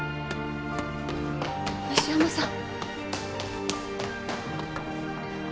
西山さん。